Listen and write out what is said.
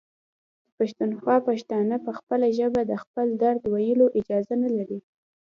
د پښتونخوا پښتانه په خپله ژبه د خپل درد ویلو اجازه نلري.